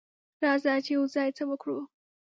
راځه چې یوځای څه وکړو.